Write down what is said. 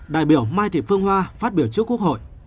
đại biểu mai thị phương hoa phát biểu trước quốc hội